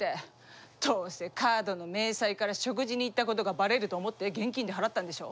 どうせカードの明細から食事に行ったことがばれると思って現金で払ったんでしょ？